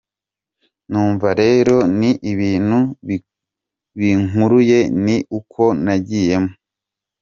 Numva rero ni ibintu binkuruye, ni uko nagiyemo.